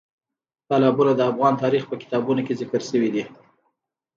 تالابونه د افغان تاریخ په کتابونو کې ذکر شوي دي.